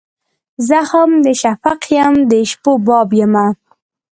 زخم د شفق یم د شپو باب یمه